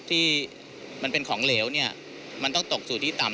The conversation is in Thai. ที่มันเป็นของเหลวเนี่ยมันต้องตกสู่ที่ต่ำ